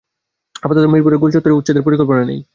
আপাতত মিরপুরের গোলচত্বরে উচ্ছেদের পরিকল্পনা নেই।